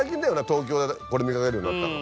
東京でこれ見掛けるようになったの。